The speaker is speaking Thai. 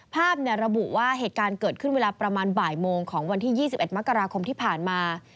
ระบุว่าเหตุการณ์เกิดขึ้นเวลาประมาณบ่ายโมงของวันที่๒๑มกราคมที่ผ่านมา